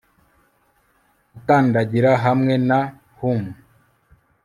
Gukandagira hamwe na hum